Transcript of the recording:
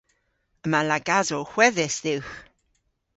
Yma lagasow hwedhys dhywgh.